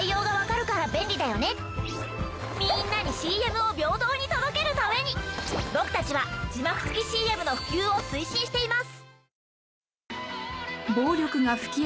みんなにＣＭを平等に届けるために僕たちは字幕付きＣＭの普及を推進しています。